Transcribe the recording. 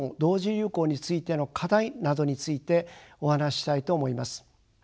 流行についての課題などについてお話ししたいと思います。